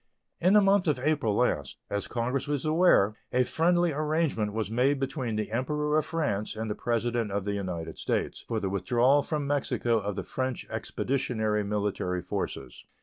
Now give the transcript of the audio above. In the month of April last, as Congress is aware, a friendly arrangement was made between the Emperor of France and the President of the United States for the withdrawal from Mexico of the French expeditionary military forces.